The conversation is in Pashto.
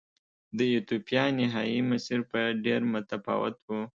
د ایتوپیا نهايي مسیر به ډېر متفاوت و.